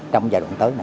trong giai đoạn tới này